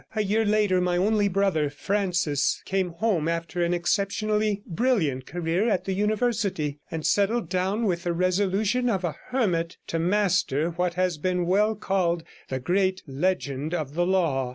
A year later my only brother, Francis, came home after a exceptionally brilliant career at the University, and settled down with the resolution of a hermit to master what has been well called the great legend of the law.